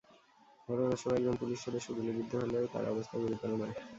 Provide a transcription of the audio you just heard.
ঘটনার সময় একজন পুলিশ সদস্য গুলিবিদ্ধ হলেও তাঁর অবস্থা গুরুতর নয়।